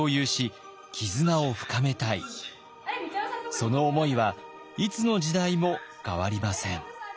その思いはいつの時代も変わりません。